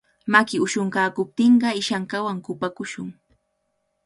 Maki ushunkaakuptinqa ishankawan kupakushun.